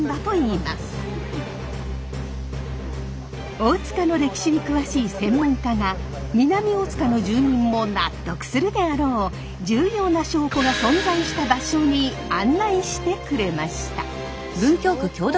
大塚の歴史に詳しい専門家が南大塚の住民も納得するであろう重要な証拠が存在した場所に案内してくれました。